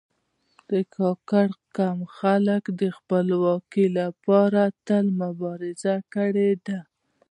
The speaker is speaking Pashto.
د کاکړ قوم خلک د خپلواکي لپاره تل مبارزه کړې ده.